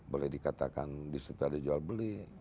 boleh dikatakan disitu ada jual beli